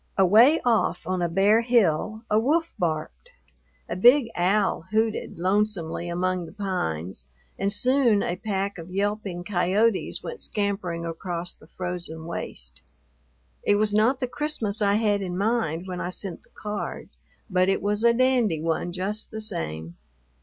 Away off on a bare hill a wolf barked. A big owl hooted lonesomely among the pines, and soon a pack of yelping coyotes went scampering across the frozen waste. It was not the Christmas I had in mind when I sent the card, but it was a dandy one, just the same.